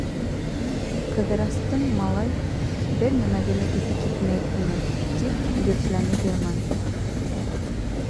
Ҡыҙырастың, малай, бер нәмәгә лә иҫе китмәй уның, -тип дөрөҫләне Ғилман.